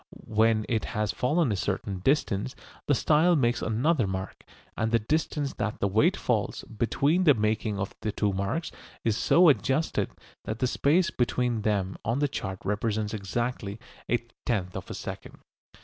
When it has fallen a certain distance the style makes another mark. And the distance that the weight falls between the making of the two marks is so adjusted that the space between them on the chart represents exactly a tenth of a second.